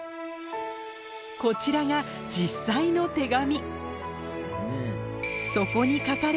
こちらが実際の手紙